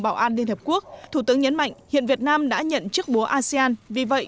bảo an liên hợp quốc thủ tướng nhấn mạnh hiện việt nam đã nhận chức búa asean vì vậy